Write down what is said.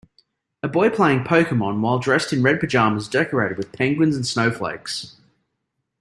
A boy playing Pokemon while dressed in red pajamas decorated with penguins and snowflakes.